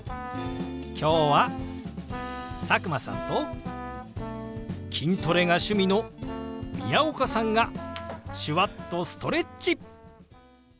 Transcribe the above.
今日は佐久間さんと筋トレが趣味の宮岡さんが手話っとストレッチ！